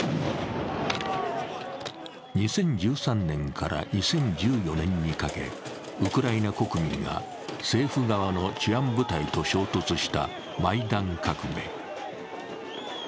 ２０１３年から２０１４年にかけ、ウクライナ国民が政府側の治安部隊と衝突したマイダン革命。